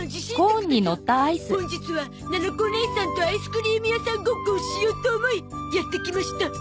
本日はななこおねいさんとアイスクリーム屋さんごっこをしようと思いやって来ました。